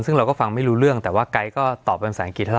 ซึ่งเราก็ฟังไม่รู้เรื่องแต่ว่าไก๊ก็ตอบเป็นภาษาอังกฤษเท่า